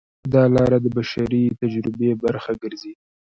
دا لار د بشري تجربې برخه ګرځي.